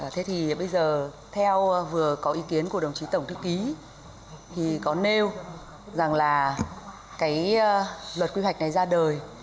thế thì bây giờ theo vừa có ý kiến của đồng chí tổng thư ký thì có nêu rằng là cái luật quy hoạch này ra đời